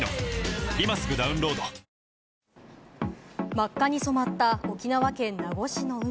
真っ赤に染まった沖縄県名護市の海。